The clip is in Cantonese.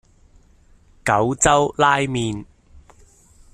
九州拉麵